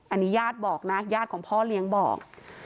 อันนี้ญาติบอกนะญาติของพ่อเลี้ยงบอก